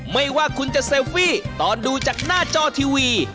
ไม่ว่าคุณจะเซลฟี่ตอนดูจากหน้าจอทีวี